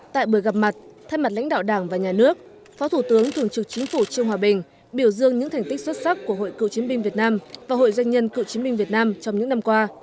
tại buổi gặp mặt thay mặt lãnh đạo đảng và nhà nước phó thủ tướng thường trực chính phủ trương hòa bình biểu dương những thành tích xuất sắc của hội cựu chiến binh việt nam và hội doanh nhân cựu chiến binh việt nam trong những năm qua